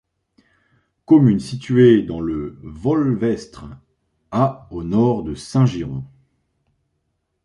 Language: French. Commune située dans le Volvestre à au nord de Saint-Girons.